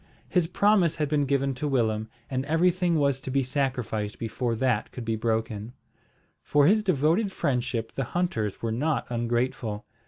His promise had been given to Willem, and everything was to be sacrificed before that could be broken. For his devoted friendship the hunters were not ungrateful.